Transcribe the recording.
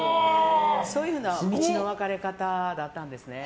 そういうふうな道の分かれ方だったんですね。